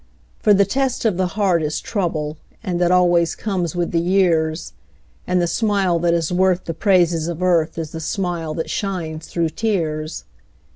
For the test of the heart is trouble, And it always comes with the years, And the smile that is worth the praises of earth Is the smile that shines through tears.